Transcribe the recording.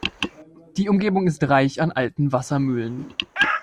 Die Umgebung ist reich an alten Wassermühlen.